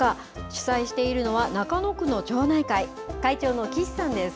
主催しているのは、中野区の町内会、会長の岸さんです。